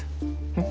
うん。